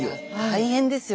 大変ですよ